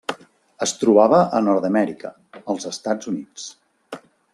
Es trobava a Nord-amèrica: els Estats Units.